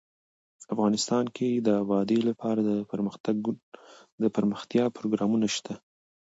افغانستان کې د وادي لپاره دپرمختیا پروګرامونه شته.